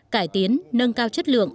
cải tiến nâng cao chất lượng